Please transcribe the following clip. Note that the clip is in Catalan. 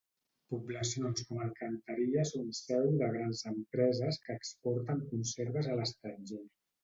Poblacions com Alcantarilla són seu de grans empreses que exporten conserves a l'estranger.